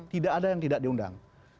tidak ada yang tidak diundang